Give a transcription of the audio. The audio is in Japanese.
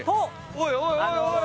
おいおいおいおい！